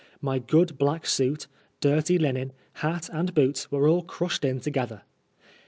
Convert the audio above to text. My good black suit, dirty linen, hat and boots, were all crushed in together.